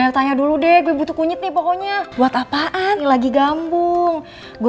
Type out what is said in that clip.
iya saya ke kantor sekarang ya